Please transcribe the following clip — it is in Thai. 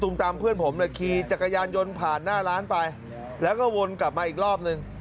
ตามเพื่อนผมเนี่ยขี่จักรยานยนต์ผ่านหน้าร้านไปแล้วก็วนกลับมาอีกรอบนึง